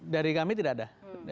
dari kami tidak ada